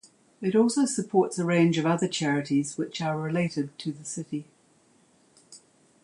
It also supports a range of other charities which are related to the city.